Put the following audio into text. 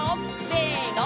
せの！